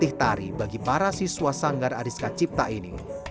dan juga menjadi pelatih tari bagi para siswa sanggar ariska cipta ini